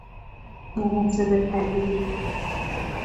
محاسبه پذیر